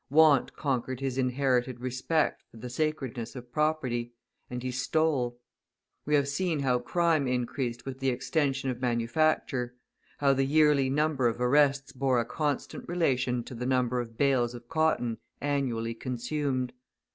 Want conquered his inherited respect for the sacredness of property, and he stole. We have seen how crime increased with the extension of manufacture; how the yearly number of arrests bore a constant relation to the number of bales of cotton annually consumed.